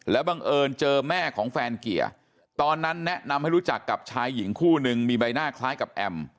บังเอิญเจอแม่ของแฟนเกียร์ตอนนั้นแนะนำให้รู้จักกับชายหญิงคู่นึงมีใบหน้าคล้ายกับแอม